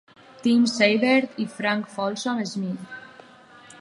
"Tim" Seibert, i Frank Folsom Smith.